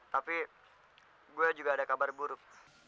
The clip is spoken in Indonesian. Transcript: tapi gue juga ada kabar buruk